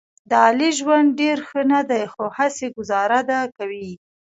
د علي ژوند ډېر ښه نه دی، خو هسې ګوزاره ده کوي یې.